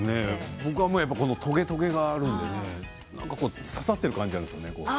僕はやっぱりこのトゲトゲがあるのでね刺さっている感じがあるんですよね